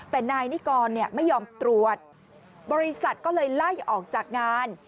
แต่นายนิกรไม่ยอมตรวจบริษัทก็เลยไล่ออกจากงาน